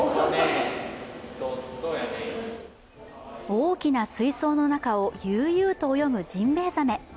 大きな水槽の中を悠々と泳ぐジンベエザメ。